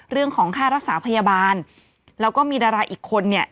เรื่องของค่ารักษาพยาบาลแล้วก็มีดาราอีกคนเนี่ย